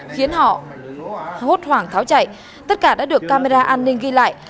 khiến họ hốt hoảng tháo chạy tất cả đã được camera an ninh ghi lại